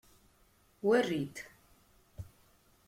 Werri-d.